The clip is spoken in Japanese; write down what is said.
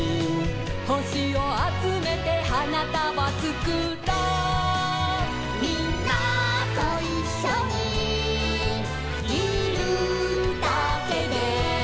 「ほしをあつめてはなたばつくろ」「みんなといっしょにいるだけで」